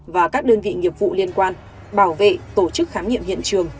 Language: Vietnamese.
và các đơn vị nghiệp vụ liên quan bảo vệ tổ chức khám nghiệm hiện trường